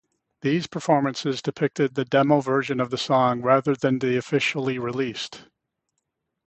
These performances depicted the demo version of the song rather than the officially released.